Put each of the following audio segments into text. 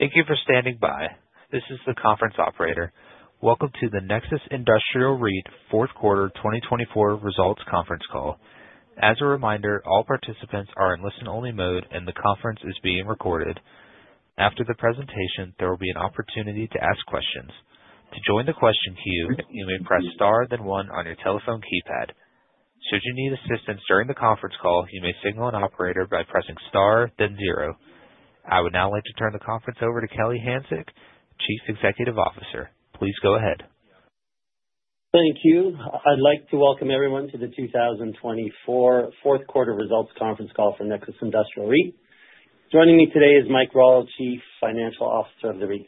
Thank you for standing by. This is the conference operator. Welcome to the Nexus Industrial REIT fourth quarter 2024 results conference call. As a reminder, all participants are in listen-only mode, and the conference is being recorded. After the presentation, there will be an opportunity to ask questions. To join the question queue, you may press star then one on your telephone keypad. Should you need assistance during the conference call, you may signal an operator by pressing star then zero. I would now like to turn the conference over to Kelly Hanczyk, Chief Executive Officer. Please go ahead. Thank you. I'd like to welcome everyone to the 2024 fourth quarter results conference call for Nexus Industrial REIT. Joining me today is Mike Rawle, Chief Financial Officer of the REIT.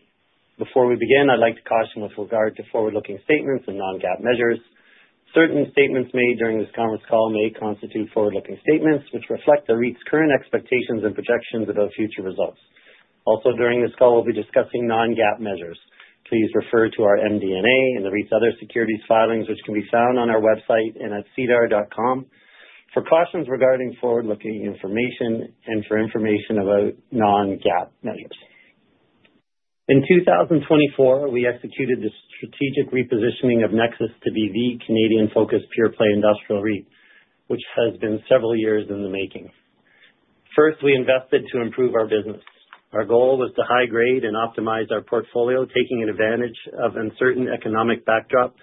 Before we begin, I'd like to caution with regard to forward-looking statements and non-GAAP measures. Certain statements made during this conference call may constitute forward-looking statements which reflect the REIT's current expectations and projections about future results. Also, during this call, we'll be discussing non-GAAP measures. Please refer to our MD&A and the REIT's other securities filings, which can be found on our website and at sedar.com for cautions regarding forward-looking information and for information about non-GAAP measures. In 2024, we executed the strategic repositioning of Nexus to be the Canadian-focused pure-play industrial REIT, which has been several years in the making. First, we invested to improve our business. Our goal was to high-grade and optimize our portfolio, taking advantage of uncertain economic backdrop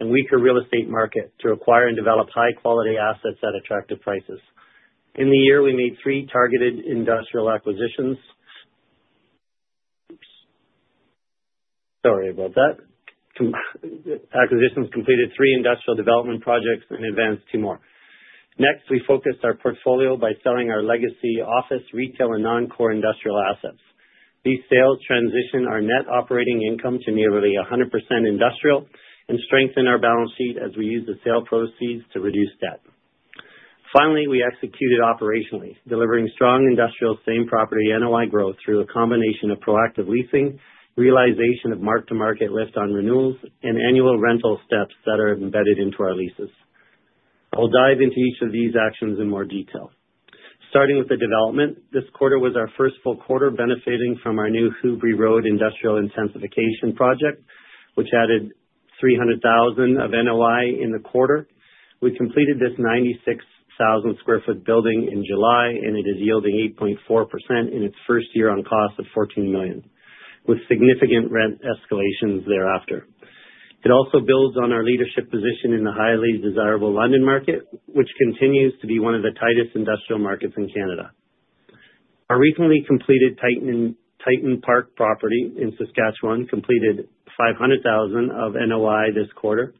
and weaker real estate market to acquire and develop high-quality assets at attractive prices. In the year, we made three targeted industrial acquisitions. Sorry about that. Acquisitions completed three industrial development projects and advanced two more. Next, we focused our portfolio by selling our legacy office, retail, and non-core industrial assets. These sales transitioned our net operating income to nearly 100% industrial and strengthened our balance sheet as we used the sale proceeds to reduce debt. Finally, we executed operationally, delivering strong industrial same-property NOI growth through a combination of proactive leasing, realization of mark-to-market lift on renewals, and annual rental steps that are embedded into our leases. I'll dive into each of these actions in more detail. Starting with the development, this quarter was our first full quarter benefiting from our new Hubrey Road industrial intensification project, which added 300,000 of NOI in the quarter. We completed this 96,000 sq ft building in July, and it is yielding 8.4% in its first year on cost of CAD 14 million, with significant rent escalations thereafter. It also builds on our leadership position in the highly desirable London market, which continues to be one of the tightest industrial markets in Canada. Our recently completed Titan Park property in Saskatchewan completed 500,000 of NOI this quarter.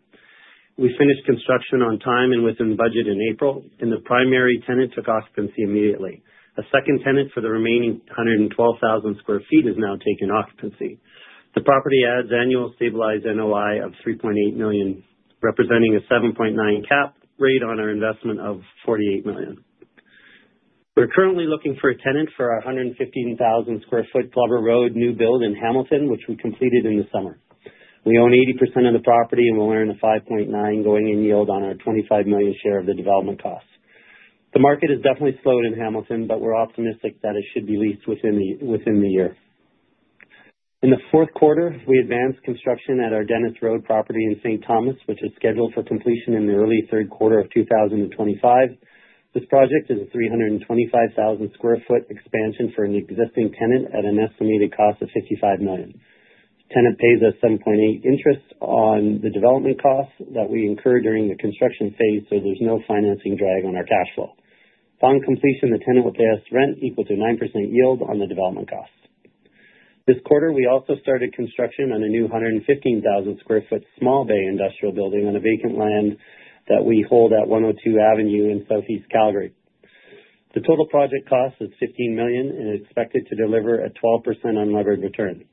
We finished construction on time and within budget in April, and the primary tenant took occupancy immediately. A second tenant for the remaining 112,000 sq ft is now taking occupancy. The property adds annual stabilized NOI of 3.8 million, representing a 7.9% cap rate on our investment of 48 million. We're currently looking for a tenant for our 115,000 sq ft Glover Road new build in Hamilton, which we completed in the summer. We own 80% of the property and will earn a 5.9% going-in yield on our 25 million share of the development costs. The market has definitely slowed in Hamilton, but we're optimistic that it should be leased within the year. In the fourth quarter, we advanced construction at our Dennis Road property in St. Thomas, which is scheduled for completion in the early third quarter of 2025. This project is a 325,000 sq ft expansion for an existing tenant at an estimated cost of 55 million. The tenant pays us 7.8% interest on the development costs that we incur during the construction phase, so there's no financing drag on our cash flow. Upon completion, the tenant will pay us rent equal to a 9% yield on the development costs. This quarter, we also started construction on a new 115,000 sq ft small-bay industrial building on vacant land that we hold at 102 Avenue in Southeast Calgary. The total project cost is 15 million and is expected to deliver a 12% unlevered return.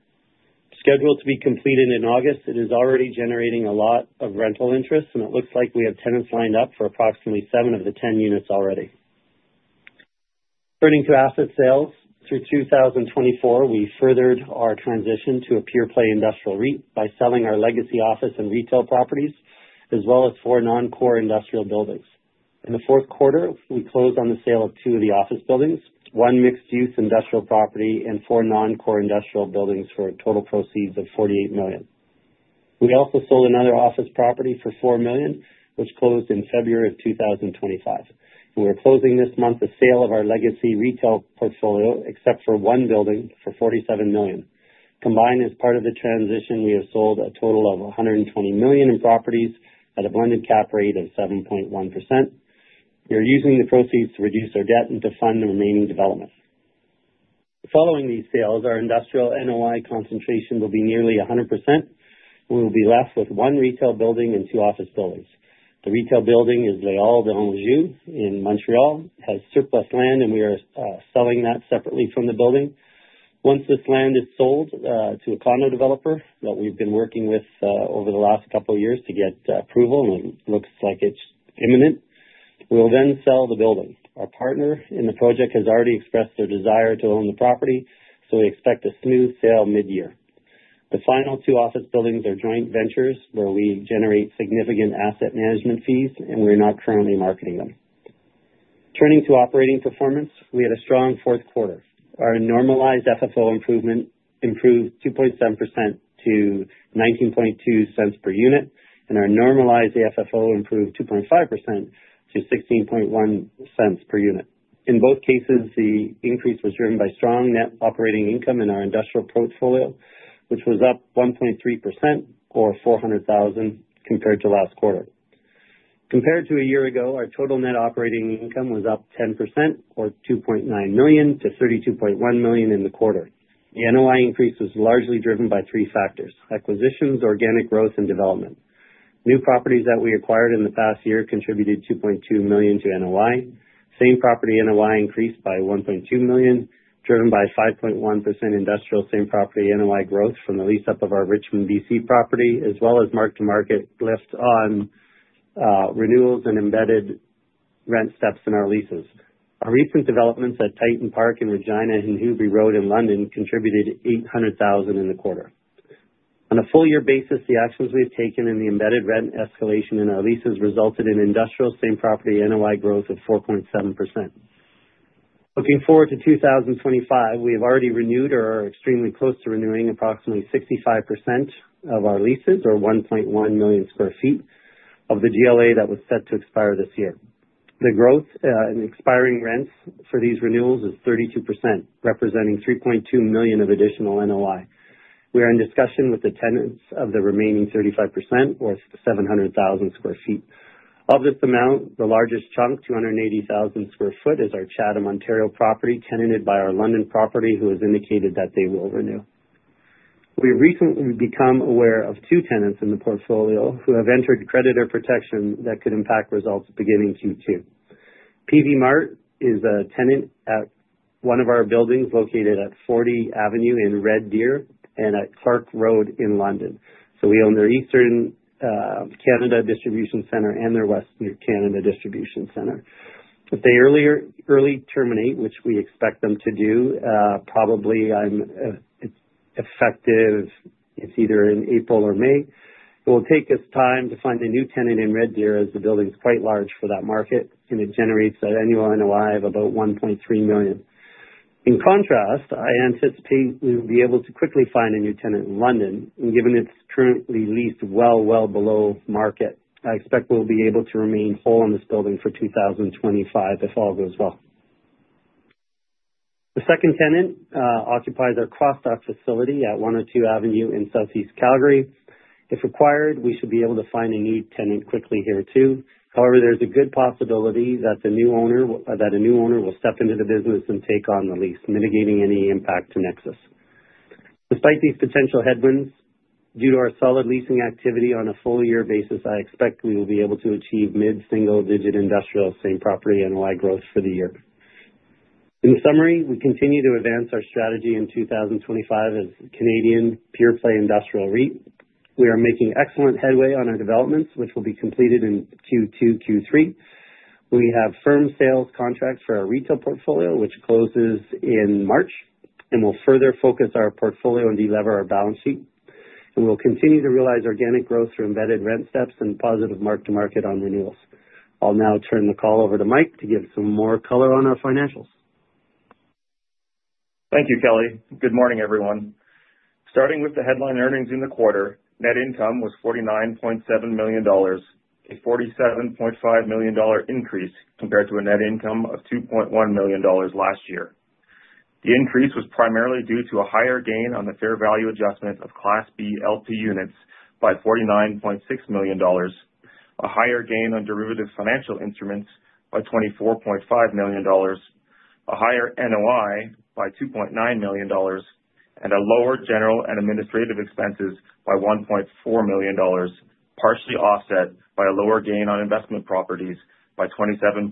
Scheduled to be completed in August, it is already generating a lot of rental interest, and it looks like we have tenants lined up for approximately seven of the 10 units already. Turning to asset sales, through 2024, we furthered our transition to a pure-play industrial REIT by selling our legacy office and retail properties, as well as four non-core industrial buildings. In the fourth quarter, we closed on the sale of two of the office buildings, one mixed-use industrial property, and four non-core industrial buildings for total proceeds of 48 million. We also sold another office property for 4 million, which closed in February of 2025. We're closing this month the sale of our legacy retail portfolio, except for one building, for 47 million. Combined, as part of the transition, we have sold a total of 120 million in properties at a blended cap rate of 7.1%. We are using the proceeds to reduce our debt and to fund the remaining development. Following these sales, our industrial NOI concentration will be nearly 100%. We will be left with one retail building and two office buildings. The retail building is Les Halles d'Anjou in Montreal, has surplus land, and we are selling that separately from the building. Once this land is sold to a condo developer that we've been working with over the last couple of years to get approval, and it looks like it's imminent, we'll then sell the building. Our partner in the project has already expressed their desire to own the property, so we expect a smooth sale mid-year. The final two office buildings are joint ventures where we generate significant asset management fees, and we're not currently marketing them. Turning to operating performance, we had a strong fourth quarter. Our normalized AFFO improvement improved 2.7% to 0.192 per unit, and our normalized AFFO improved 2.5% to 0.161 per unit. In both cases, the increase was driven by strong net operating income in our industrial portfolio, which was up 1.3% or 400,000 compared to last quarter. Compared to a year ago, our total net operating income was up 10% or 2.9 million to 32.1 million in the quarter. The NOI increase was largely driven by three factors: acquisitions, organic growth, and development. New properties that we acquired in the past year contributed 2.2 million to NOI. Same property NOI increased by 1.2 million, driven by 5.1% industrial same-property NOI growth from the lease-up of our Richmond, BC property, as well as mark-to-market lift on renewals and embedded rent steps in our leases. Our recent developments at Titan Park in Regina and Hubrey Road in London contributed 800,000 in the quarter. On a full-year basis, the actions we have taken in the embedded rent escalation in our leases resulted in industrial same-property NOI growth of 4.7%. Looking forward to 2025, we have already renewed or are extremely close to renewing approximately 65% of our leases or 1.1 million sq ft of the GLA that was set to expire this year. The growth in expiring rents for these renewals is 32%, representing 3.2 million of additional NOI. We are in discussion with the tenants of the remaining 35% or 700,000 sq ft. Of this amount, the largest chunk, 280,000 sq ft, is our Chatham, Ontario property tenanted by London property, who has indicated that they will renew. We recently became aware of two tenants in the portfolio who have entered creditor protection that could impact results beginning Q2. Peavey Mart is a tenant at one of our buildings located at 40 Avenue in Red Deer and at Clarke Road in London. We own their Eastern Canada Distribution Center and their Western Canada Distribution Center. If they early terminate, which we expect them to do, probably it's effective either in April or May. It will take us time to find a new tenant in Red Deer as the building is quite large for that market, and it generates an annual NOI of about 1.3 million. In contrast, I anticipate we will be able to quickly find a new tenant in London. Given it's currently leased well, well below market, I expect we'll be able to remain whole in this building for 2025 if all goes well. The second tenant occupies our cross-dock facility at 102 Avenue in Southeast Calgary. If required, we should be able to find a new tenant quickly here too. However, there's a good possibility that a new owner will step into the business and take on the lease, mitigating any impact to Nexus. Despite these potential headwinds, due to our solid leasing activity on a full-year basis, I expect we will be able to achieve mid-single-digit industrial same-property NOI growth for the year. In summary, we continue to advance our strategy in 2025 as Canadian pure-play industrial REIT. We are making excellent headway on our developments, which will be completed in Q2, Q3. We have firm sales contracts for our retail portfolio, which closes in March, and we will further focus our portfolio and delever our balance sheet. We will continue to realize organic growth through embedded rent steps and positive mark-to-market on renewals. I will now turn the call over to Mike to give some more color on our financials. Thank you, Kelly. Good morning, everyone. Starting with the headline earnings in the quarter, net income was 49.7 million dollars, a 47.5 million dollar increase compared to a net income of 2.1 million dollars last year. The increase was primarily due to a higher gain on the fair value adjustment of Class B LP units by 49.6 million dollars, a higher gain on derivative financial instruments by 24.5 million dollars, a higher NOI by 2.9 million dollars, and a lower general and administrative expenses by 1.4 million dollars, partially offset by a lower gain on investment properties by 27.5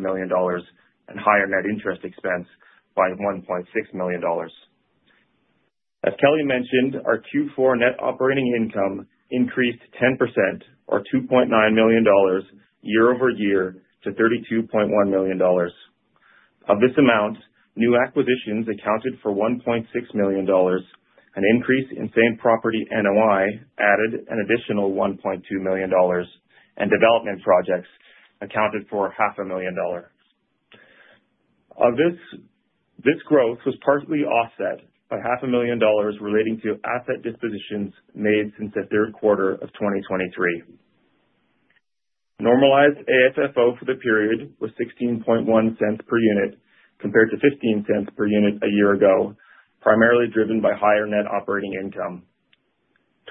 million dollars and higher net interest expense by 1.6 million dollars. As Kelly mentioned, our Q4 net operating income increased 10% or 2.9 million dollars year-over-year to 32.1 million dollars. Of this amount, new acquisitions accounted for 1.6 million dollars, an increase in same-property NOI added an additional 1.2 million dollars, and development projects accounted for 500,000 dollars. This growth was partially offset by 500,000 dollars relating to asset dispositions made since the third quarter of 2023. Normalized AFFO for the period was 0.161 per unit compared to 0.15 per unit a year ago, primarily driven by higher net operating income.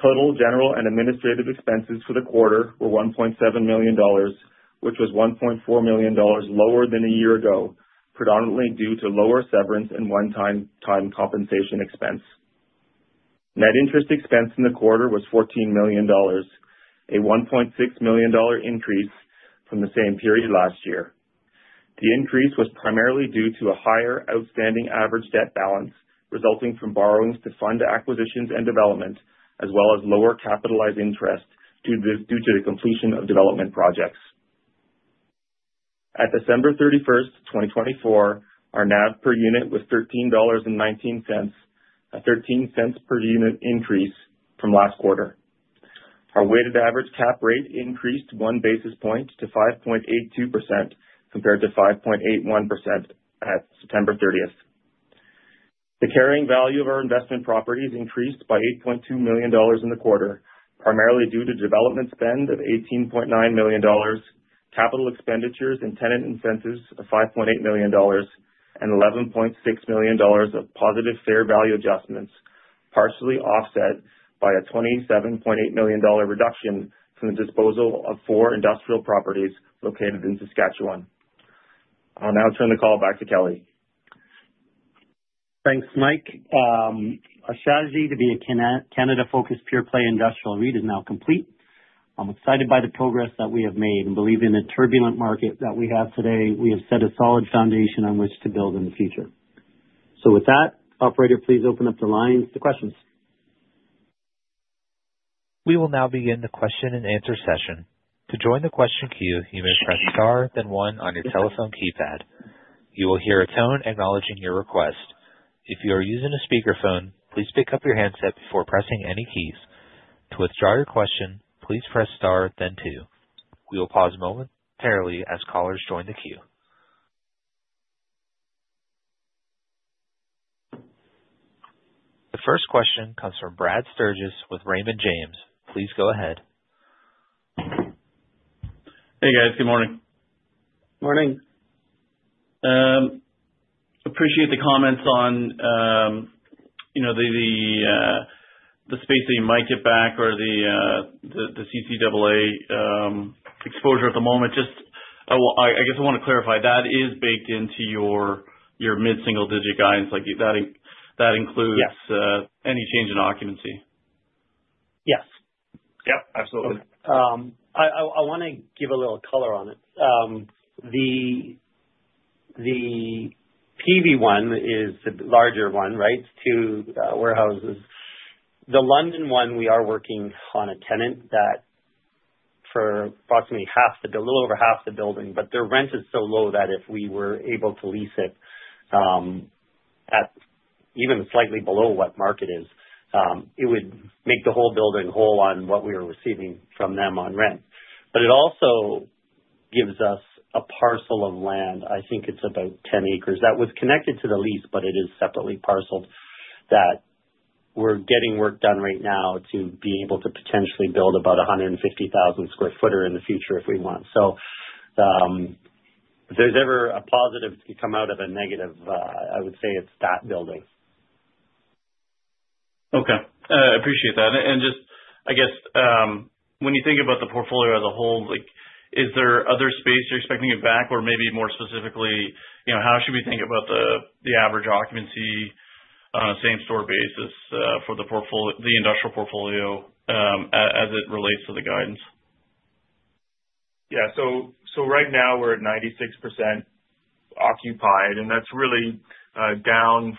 Total general and administrative expenses for the quarter were 1.7 million dollars, which was 1.4 million dollars lower than a year ago, predominantly due to lower severance and one-time compensation expense. Net interest expense in the quarter was 14 million dollars, a 1.6 million dollar increase from the same period last year. The increase was primarily due to a higher outstanding average debt balance resulting from borrowings to fund acquisitions and development, as well as lower capitalized interest due to the completion of development projects. At December 31st, 2024, our NAV per unit was 13.19 dollars, a 0.13 per unit increase from last quarter. Our weighted average cap rate increased one basis point to 5.82% compared to 5.81% at September 30th. The carrying value of our investment properties increased by 8.2 million dollars in the quarter, primarily due to development spend of 18.9 million dollars, capital expenditures and tenant incentives of 5.8 million dollars, and 11.6 million dollars of positive fair value adjustments, partially offset by a 27.8 million dollar reduction from the disposal of four industrial properties located in Saskatchewan. I'll now turn the call back to Kelly. Thanks, Mike. Our strategy to be a Canada-focused pure-play industrial REIT is now complete. I'm excited by the progress that we have made and believe in the turbulent market that we have today. We have set a solid foundation on which to build in the future. With that, operator, please open up the lines to questions. We will now begin the question-and-answer session. To join the question queue, you may press star, then one on your telephone keypad. You will hear a tone acknowledging your request. If you are using a speakerphone, please pick up your handset before pressing any keys. To withdraw your question, please press star, then two. We will pause momentarily as callers join the queue. The first question comes from Brad Sturges with Raymond James. Please go ahead. Hey, guys. Good morning. Morning. Appreciate the comments on the space that you might get back or the CCAA exposure at the moment. I guess I want to clarify, that is baked into your mid-single-digit guidance. That includes any change in occupancy. Yes. Yep, absolutely. I want to give a little color on it. The Peavey one is the larger one, right? It is two warehouses. The London one, we are working on a tenant for approximately half the building, a little over half the building, but their rent is so low that if we were able to lease it at even slightly below what market is, it would make the whole building whole on what we are receiving from them on rent. It also gives us a parcel of land. I think it is about 10 acres. That was connected to the lease, but it is separately parceled that we are getting work done right now to be able to potentially build about 150,000 sq ft in the future if we want. If there is ever a positive to come out of a negative, I would say it is that building. Okay. I appreciate that. Just, I guess, when you think about the portfolio as a whole, is there other space you're expecting back? Or maybe more specifically, how should we think about the average occupancy on a same-store basis for the industrial portfolio as it relates to the guidance? Yeah. Right now, we're at 96% occupied, and that's really down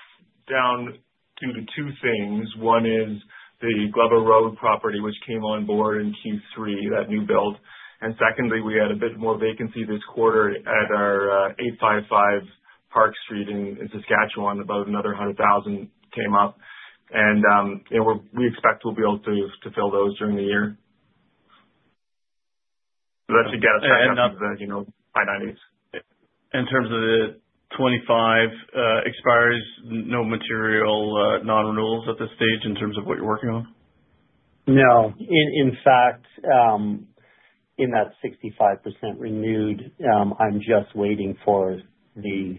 due to two things. One is the Glover Road property, which came on board in Q3, that new build. Secondly, we had a bit more vacancy this quarter at our 855 Park Street in Saskatchewan. About another 100,000 came up, and we expect we'll be able to fill those during the year. That should get us back on the high 90s. In terms of the 25 expires, no material non-renewals at this stage in terms of what you're working on? No. In fact, in that 65% renewed, I'm just waiting for the,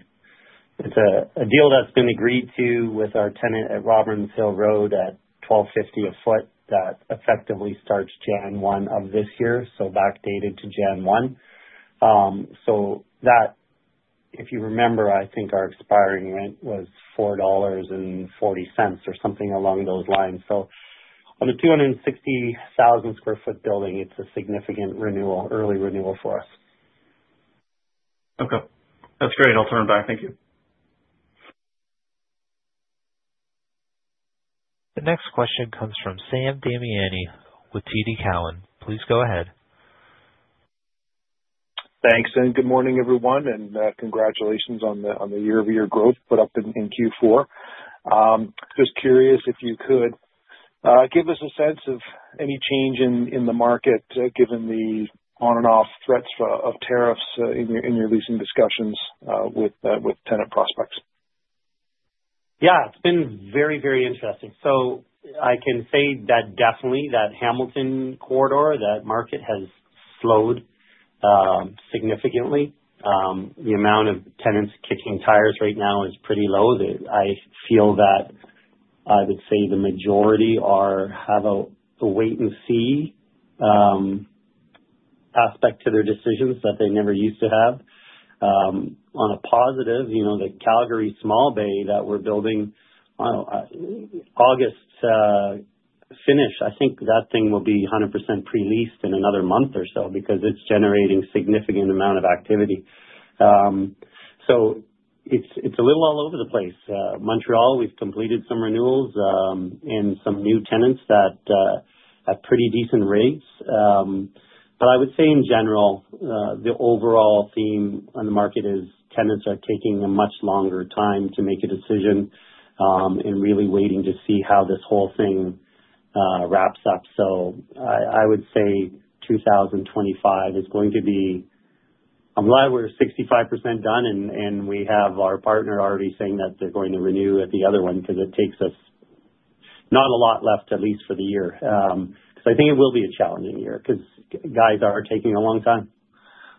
it's a deal that's been agreed to with our tenant at Robins Hill Road at 1.250 a foot that effectively starts January 1 of this year, so backdated to January 1. If you remember, I think our expiring rent was 4.40 dollars or something along those lines. On the 260,000 sq ft building, it's a significant early renewal for us. Okay. That's great. I'll turn it back. Thank you. The next question comes from Sam Damiani with TD Cowen. Please go ahead. Thanks. Good morning, everyone, and congratulations on the year-over-year growth put up in Q4. Just curious if you could give us a sense of any change in the market given the on-and-off threats of tariffs in your leasing discussions with tenant prospects. Yeah. It's been very, very interesting. I can say that definitely that Hamilton Corridor, that market has slowed significantly. The amount of tenants kicking tires right now is pretty low. I feel that I would say the majority have a wait-and-see aspect to their decisions that they never used to have. On a positive, the Calgary small-bay that we're building August finish, I think that thing will be 100% pre-leased in another month or so because it's generating a significant amount of activity. It's a little all over the place. Montreal, we've completed some renewals and some new tenants that have pretty decent rates. I would say, in general, the overall theme on the market is tenants are taking a much longer time to make a decision and really waiting to see how this whole thing wraps up. I would say 2025 is going to be, I'm glad we're 65% done, and we have our partner already saying that they're going to renew at the other one because it takes us not a lot left, at least for the year. I think it will be a challenging year because guys are taking a long time.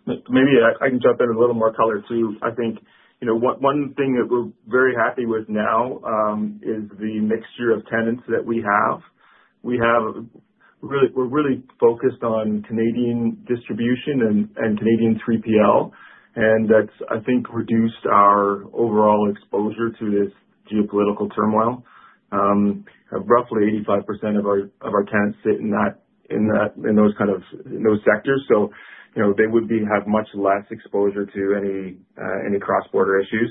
Maybe I can jump in a little more color too. I think one thing that we're very happy with now is the mixture of tenants that we have. We're really focused on Canadian distribution and Canadian 3PL, and that's, I think, reduced our overall exposure to this geopolitical turmoil. Roughly 85% of our tenants sit in those kind of sectors, so they would have much less exposure to any cross-border issues.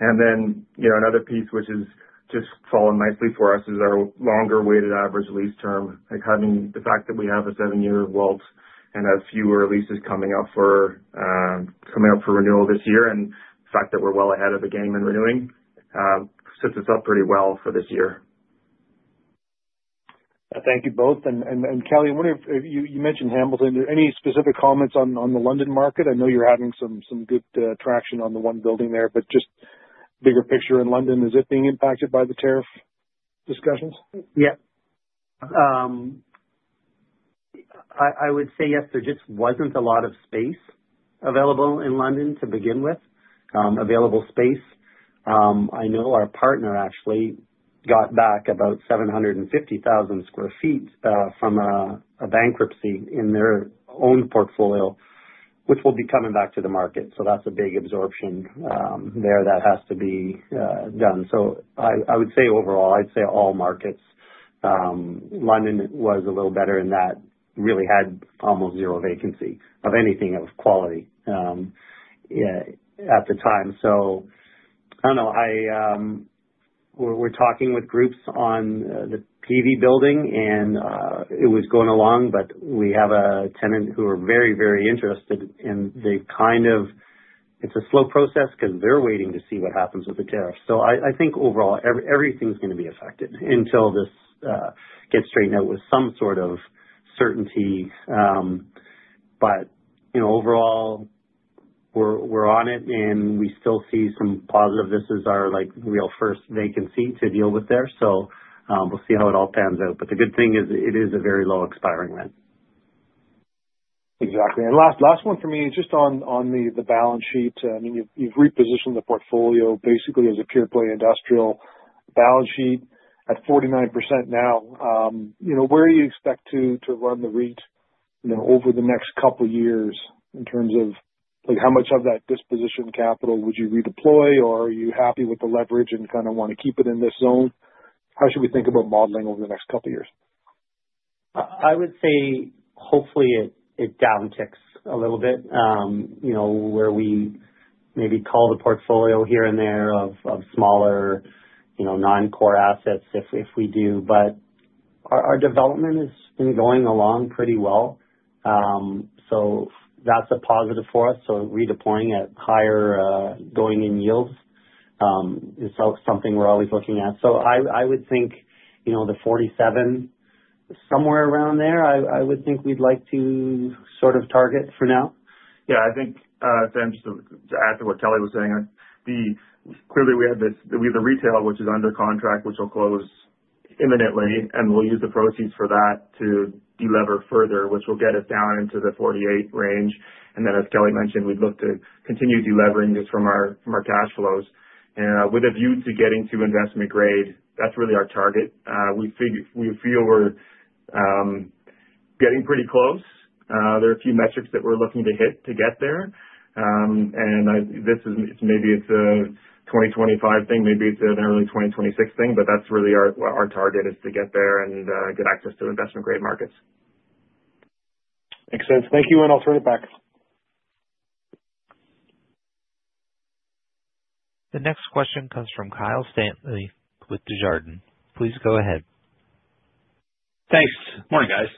Another piece, which has just fallen nicely for us, is our longer weighted average lease term. The fact that we have a seven-year WALT and have fewer leases coming up for renewal this year and the fact that we're well ahead of the game in renewing sets us up pretty well for this year. Thank you both. Kelly, you mentioned Hamilton. Any specific comments on the London market? I know you're having some good traction on the one building there, but just bigger picture in London, is it being impacted by the tariff discussions? Yep. I would say yes, there just was not a lot of space available in London to begin with, available space. I know our partner actually got back about 750,000 sq ft from a bankruptcy in their own portfolio, which will be coming back to the market. That is a big absorption there that has to be done. I would say overall, I would say all markets, London was a little better in that it really had almost zero vacancy of anything of quality at the time. I do not know. We are talking with groups on the Peavey building, and it was going along, but we have a tenant who are very, very interested, and they have kind of, it is a slow process because they are waiting to see what happens with the tariff. I think overall, everything is going to be affected until this gets straightened out with some sort of certainty. Overall, we're on it, and we still see some positive. This is our real first vacancy to deal with there. We'll see how it all pans out. The good thing is it is a very low expiring rent. Exactly. Last one for me, just on the balance sheet. I mean, you have repositioned the portfolio basically as a pure-play industrial balance sheet at 49% now. Where do you expect to run the REIT over the next couple of years in terms of how much of that disposition capital would you redeploy, or are you happy with the leverage and kind of want to keep it in this zone? How should we think about modeling over the next couple of years? I would say hopefully it downticks a little bit where we maybe call the portfolio here and there of smaller non-core assets if we do. Our development has been going along pretty well. That is a positive for us. Redeploying at higher going-in yields is something we are always looking at. I would think the 47, somewhere around there, I would think we would like to sort of target for now. Yeah. I think, Sam, just to add to what Kelly was saying, clearly we have the retail, which is under contract, which will close imminently, and we will use the proceeds for that to delever further, which will get us down into the 48% range. As Kelly mentioned, we would look to continue delevering just from our cash flows. With a view to getting to investment grade, that is really our target. We feel we are getting pretty close. There are a few metrics that we are looking to hit to get there. Maybe it is a 2025 thing, maybe it is an early 2026 thing, but that is really our target, to get there and get access to investment-grade markets. Makes sense. Thank you, and I'll turn it back. The next question comes from Kyle Stanley with Desjardins. Please go ahead. Thanks. Morning, guys.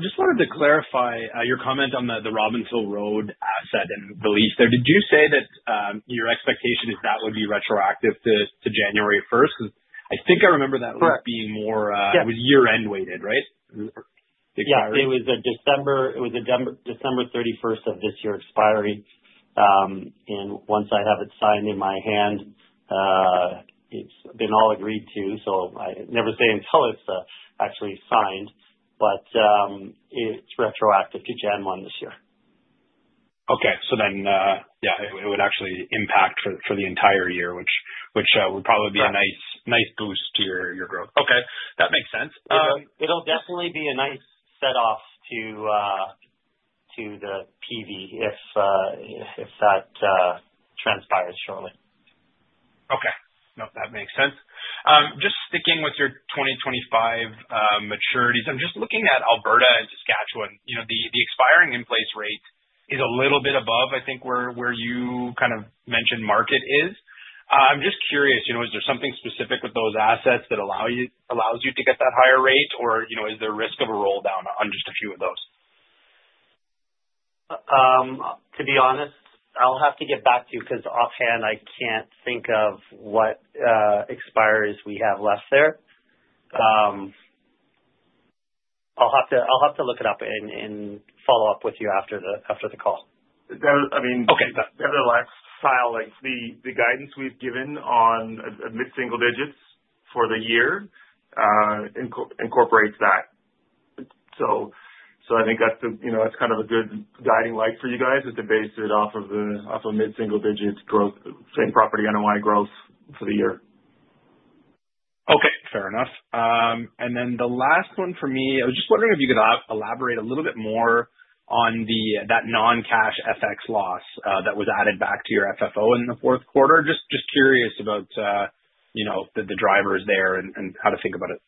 Just wanted to clarify your comment on the Robins Hill Road asset and the lease there. Did you say that your expectation is that would be retroactive to January 1st? I think I remember that being more it was year-end weighted, right? Yes. It was December 31st of this year expiry. Once I have it signed in my hand, it's been all agreed to. I never say until it's actually signed, but it's retroactive to January 1 this year. Okay. So then, yeah, it would actually impact for the entire year, which would probably be a nice boost to your growth. Okay. That makes sense. It'll definitely be a nice set-off to the Peavey if that transpires shortly. Okay. No, that makes sense. Just sticking with your 2025 maturities, I'm just looking at Alberta and Saskatchewan. The expiring in place rate is a little bit above, I think, where you kind of mentioned market is. I'm just curious, is there something specific with those assets that allows you to get that higher rate, or is there a risk of a roll down on just a few of those? To be honest, I'll have to get back to you because offhand, I can't think of what expires we have left there. I'll have to look it up and follow up with you after the call. I mean, nevertheless, Kyle, the guidance we've given on mid-single digits for the year incorporates that. I think that's kind of a good guiding light for you guys as they base it off of mid-single digit growth, same property NOI growth for the year. Okay. Fair enough. The last one for me, I was just wondering if you could elaborate a little bit more on that non-cash FX loss that was added back to your FFO in the fourth quarter. Just curious about the drivers there and how to think about it.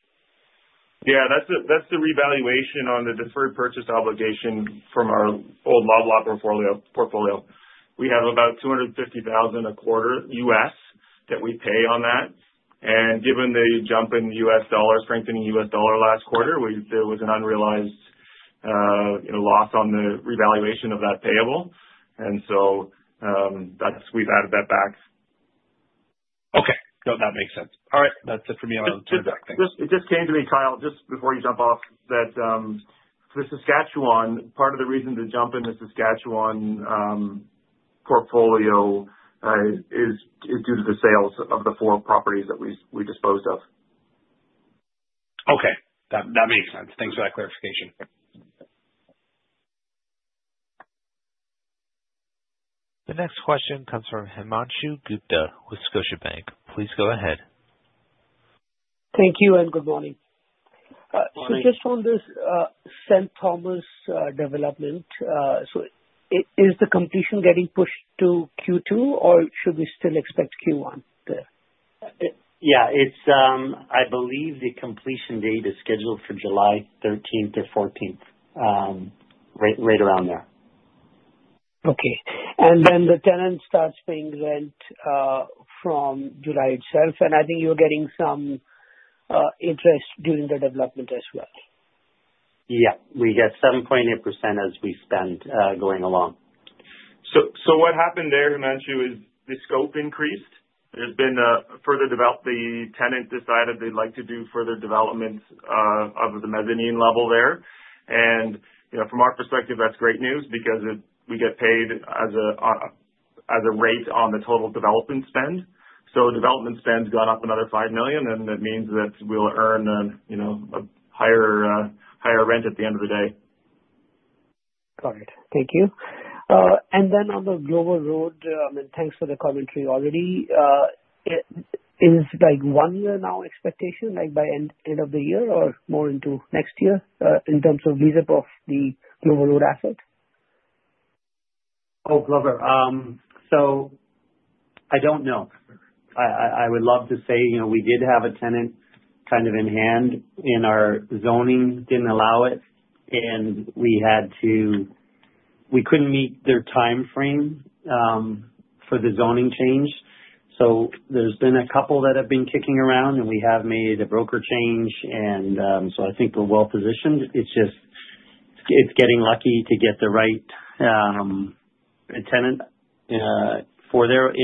Yeah. That's the revaluation on the deferred purchase obligation from our old Nobel portfolio. We have about $250,000 a quarter that we pay on that. Given the jump in U.S. dollar, strengthening U.S. dollar last quarter, there was an unrealized loss on the revaluation of that payable. We have added that back. Okay. No, that makes sense. All right. That's it for me on two exact things. It just came to me, Kyle, just before you jump off, that the Saskatchewan, part of the reason to jump in the Saskatchewan portfolio is due to the sales of the four properties that we disposed of. Okay. That makes sense. Thanks for that clarification. The next question comes from Himanshu Gupta with Scotiabank. Please go ahead. Thank you and good morning. Just on this St. Thomas development, is the completion getting pushed to Q2, or should we still expect Q1 there? Yeah. I believe the completion date is scheduled for July 13th or 14th, right around there. Okay. The tenant starts paying rent from July itself, and I think you're getting some interest during the development as well. Yeah. We get 7.8% as we spend going along. What happened there, Himanshu, is the scope increased. There has been a further development. The tenant decided they would like to do further development of the mezzanine level there. From our perspective, that is great news because we get paid as a rate on the total development spend. Development spend has gone up another 5 million, and that means that we will earn a higher rent at the end of the day. All right. Thank you. And then on the Glover Road, I mean, thanks for the commentary already. Is it like one-year now expectation, like by end of the year or more into next year in terms of lease of the Glover Road asset? Oh, clever. I don't know. I would love to say we did have a tenant kind of in hand, and our zoning didn't allow it, and we couldn't meet their timeframe for the zoning change. There's been a couple that have been kicking around, and we have made a broker change, and I think we're well positioned. It's getting lucky to get the right tenant. In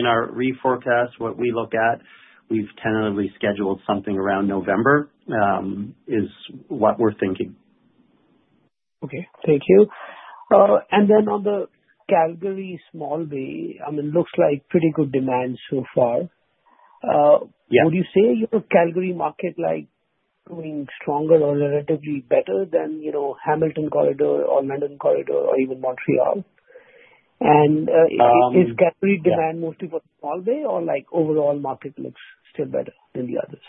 our reforecast, what we look at, we've tentatively scheduled something around November is what we're thinking. Okay. Thank you. Then on the Calgary small-bay, I mean, looks like pretty good demand so far. Would you say your Calgary market is growing stronger or relatively better than Hamilton Corridor or London Corridor or even Montreal? Is Calgary demand mostly for the small-bay, or overall market looks still better than the others?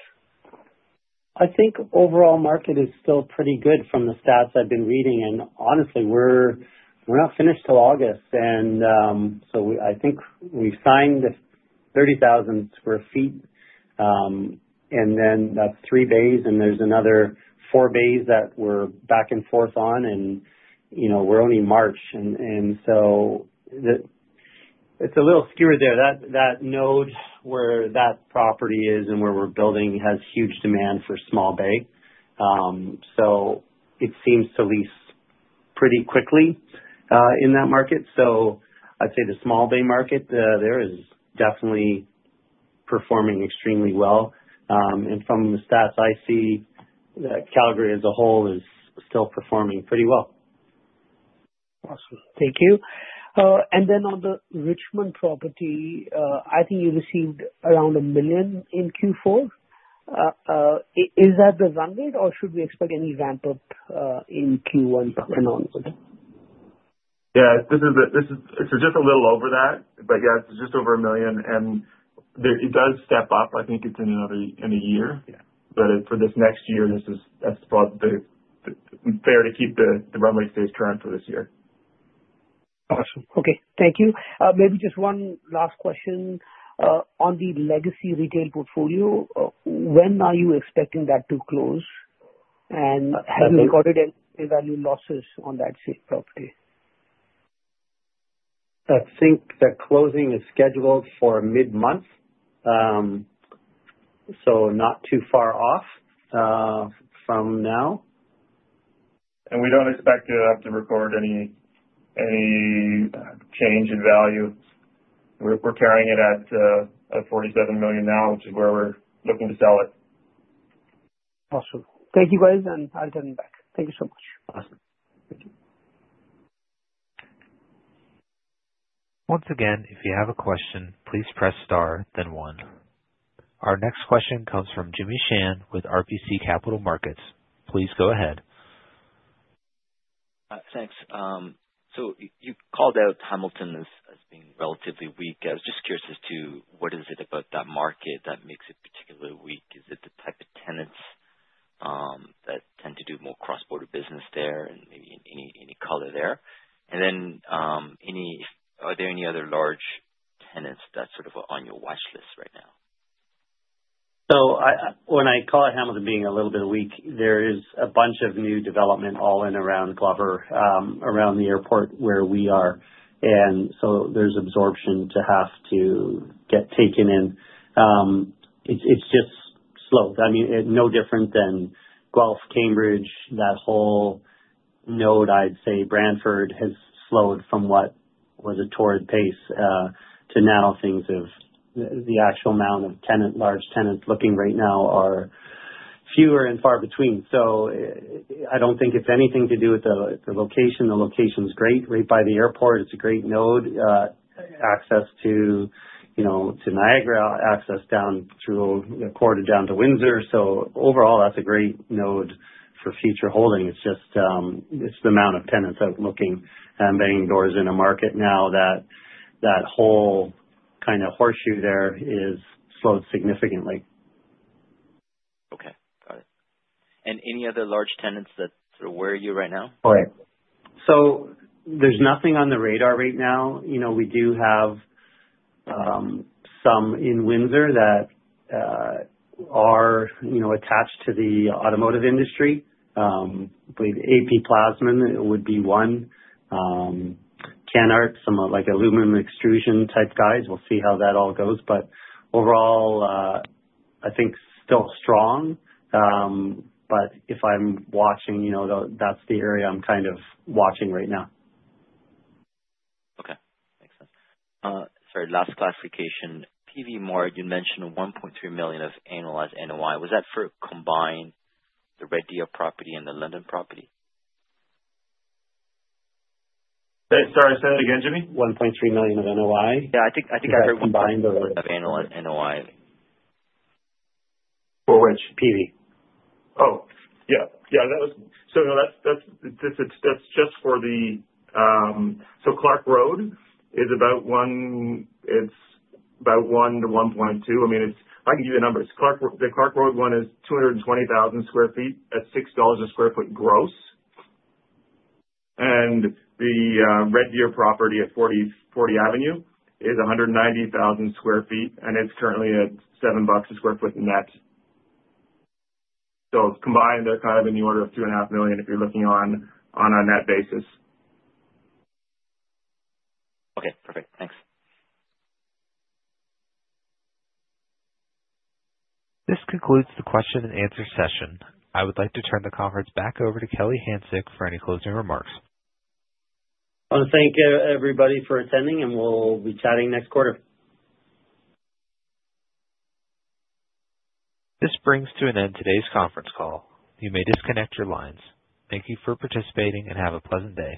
I think overall market is still pretty good from the stats I've been reading. Honestly, we're not finished till August. I think we signed 30,000 sq ft, and then that's three bays, and there's another four bays that we're back and forth on, and we're only March. It's a little skewed there. That node where that property is and where we're building has huge demand for small-bay. It seems to lease pretty quickly in that market. I'd say the small-bay market there is definitely performing extremely well. From the stats I see, Calgary as a whole is still performing pretty well. Awesome. Thank you. Then on the Richmond property, I think you received around 1 million in Q4. Is that the run rate, or should we expect any ramp up in Q1 and onward? Yeah. It's just a little over that, but yeah, it's just over a million. It does step up. I think it's in a year. For this next year, that's fair to keep the run rate stays current for this year. Awesome. Okay. Thank you. Maybe just one last question on the legacy retail portfolio. When are you expecting that to close? Have you recorded any value losses on that property? I think that closing is scheduled for mid-month, so not too far off from now. We do not expect to have to record any change in value. We are carrying it at 47 million now, which is where we are looking to sell it. Awesome. Thank you, guys, and I'll turn it back. Thank you so much. Awesome. Once again, if you have a question, please press star, then one. Our next question comes from Jimmy Shan with RBC Capital Markets. Please go ahead. Thanks. You called out Hamilton as being relatively weak. I was just curious as to what is it about that market that makes it particularly weak? Is it the type of tenants that tend to do more cross-border business there and maybe any color there? Are there any other large tenants that's sort of on your watch list right now? When I call Hamilton being a little bit weak, there is a bunch of new development all in around Glover, around the airport where we are. There is absorption to have to get taken in. It is just slowed. I mean, no different than Guelph, Cambridge, that whole node. I would say Brantford has slowed from what was a torrid pace. To now, the actual amount of large tenants looking right now are fewer and far between. I do not think it is anything to do with the location. The location is great. Right by the airport, it is a great node. Access to Niagara, access down through the corridor down to Windsor. Overall, that is a great node for future holding. It is just the amount of tenants out looking and banging doors in a market now that that whole kind of horseshoe there has slowed significantly. Okay. Got it. Any other large tenants that are where you right now? All right. There is nothing on the radar right now. We do have some in Windsor that are attached to the automotive industry. I believe AP Plasman would be one. CanArt, some aluminum extrusion type guys. We will see how that all goes. Overall, I think still strong. If I am watching, that is the area I am kind of watching right now. Okay. Makes sense. Sorry, last clarification. Peavey Mart, you mentioned 1.3 million of annualized NOI. Was that for combined the Red Deer property and the London property? Sorry, say that again, Jimmy? 1.3 million of NOI. Yeah. I think I heard combined of annualized NOI. For which Peavey? Oh, yeah. Yeah. So that's just for the so Clarke Road is about 1-1.2. I mean, I can give you the numbers. The Clarke Road one is 220,000 sq ft at 6 dollars a sq ft gross. And the Red Deer property at 40 Avenue is 190,000 sq ft, and it's currently at 7 bucks a sq ft net. So combined, they're kind of in the order of 2.5 million if you're looking on a net basis. Okay. Perfect. Thanks. This concludes the question and answer session. I would like to turn the conference back over to Kelly Hanczyk for any closing remarks. Thank you, everybody, for attending, and we'll be chatting next quarter. This brings to an end today's conference call. You may disconnect your lines. Thank you for participating and have a pleasant day.